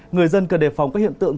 người dân cần đề phòng các hiện tượng